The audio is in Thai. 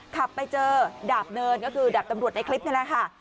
ขับไปเจอดาบเนินก็คือดาบตำรวจในคลิปนี่แหละค่ะ